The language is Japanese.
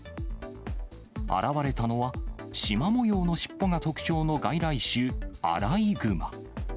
現れたのは、しま模様の尻尾が特徴の外来種、アライグマ。